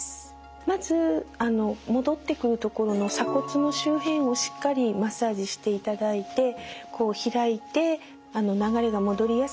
まず戻ってくるところの鎖骨の周辺をしっかりマッサージしていただいてこう開いて流れが戻りやすくしておきます。